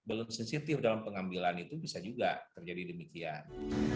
belum sensitif dalam pengambilan itu bisa juga terjadi demikian